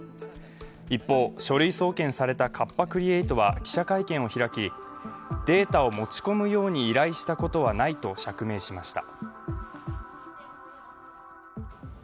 一方、書類送検されたカッパ・クリエイトは、記者会見を開き、データを持ち込むように依頼したことはないと釈明しました。